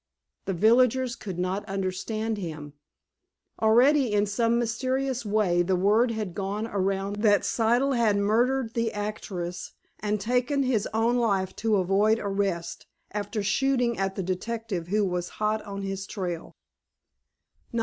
The villagers could not understand him. Already, in some mysterious way, the word had gone around that Siddle had murdered the actress, and taken his own life to avoid arrest, after shooting at the detective who was hot on his trail.